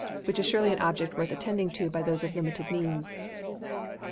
which is surely an object worth attending to by those of limited means.